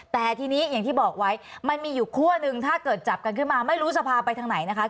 แต่ทีนี้อย่างที่บอกไว้มันมีอยู่คั่วหนึ่งถ้าเกิดจับกันขึ้นมาไม่รู้สภาไปทางไหนนะคะ